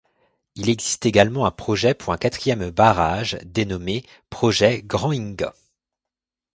Il existe également un projet pour un quatrième barrage, dénommé projet Grand Inga.